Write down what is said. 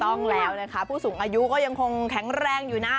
ต้องแล้วนะคะผู้สูงอายุก็ยังคงแข็งแรงอยู่นะ